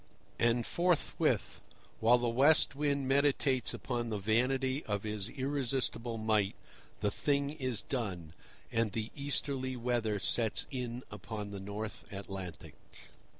And forthwith, while the West Wind meditates upon the vanity of his irresistible might, the thing is done, and the Easterly weather sets in upon the North Atlantic.